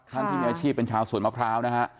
ท่านที่มีอาชีพเป็นชาวสวนมะพร้าวนะฮะ